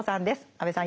安部さん